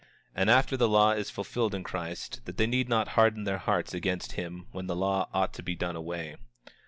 And after the law is fulfilled in Christ, that they need not harden their hearts against him when the law ought to be done away.